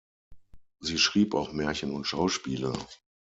Sie schrieb auch Märchen und Schauspiele.